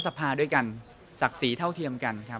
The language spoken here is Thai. ด้วยรัฐสภาโดยกันศักดิ์ศรีเท่าเทียมกันครับ